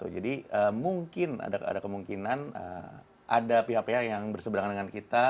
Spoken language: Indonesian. jadi mungkin ada kemungkinan ada pihak pihak yang berseberangan dengan kita